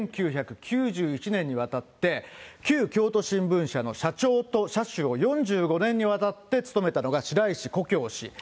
１９４６年から１９９１年にわたって、旧京都新聞社の社長と社主を４５年にわたって務めたのが、白石古京氏。